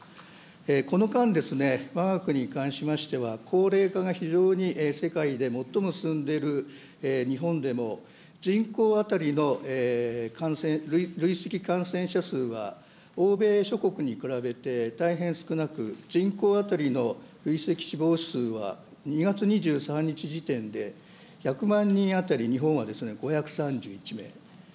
この間、わが国に関しましては、高齢化が非常に世界で最も進んでいる日本でも、人口当たりの累積感染者数は、欧米諸国に比べて大変少なく、人口当たりの累積死亡数は、２月２３日時点で１００万人当たり、日本は５３１名。